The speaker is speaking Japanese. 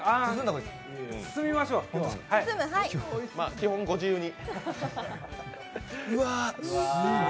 基本、ご自由に。